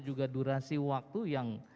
juga durasi waktu yang